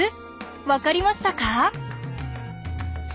分かりましたか？